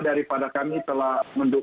daripada kami telah